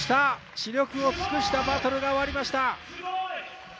死力を尽くしたバトルが終わりました。